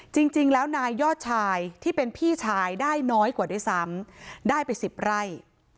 จริงแล้วนายยอดชายที่เป็นพี่ชายได้น้อยกว่าด้วยซ้ำได้ไป๑๐ไร่